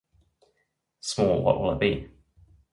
Small, what will it be?